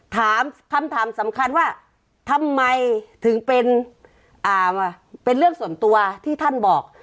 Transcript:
ถามคำถามสำคัญว่าทำไมถึงเป็นเรื่องส่วนตัวที่ท่านบอก